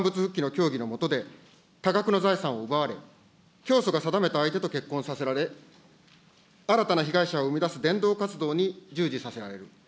教義の下で、多額の財産を奪われ、教祖が定めた相手と結婚させられ、新たな被害者を生み出す伝道活動に従事させられる。